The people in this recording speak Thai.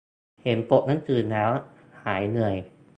เห็นปกหนังสือแล้วหายเหนื่อย